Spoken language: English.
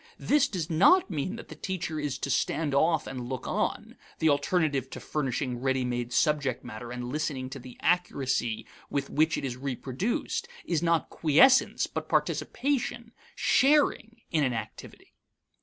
This does not mean that the teacher is to stand off and look on; the alternative to furnishing ready made subject matter and listening to the accuracy with which it is reproduced is not quiescence, but participation, sharing, in an activity.